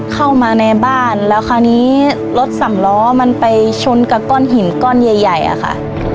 เข้ามาในบ้านแล้วคราวนี้รถสำล้อมันไปชนกับก้อนหินก้อนใหญ่ใหญ่อะค่ะ